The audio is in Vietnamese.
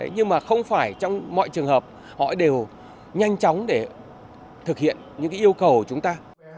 nhưng mà không phải trong mọi trường hợp họ đều nhanh chóng để thực hiện những yêu cầu của chúng ta